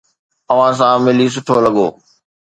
اوھان سان ملي سٺو لڳو.